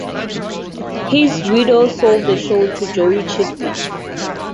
His widow sold the show to Joie Chitwood.